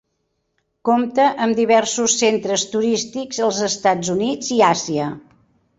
Compta amb diversos centres turístics als Estats Units i Àsia.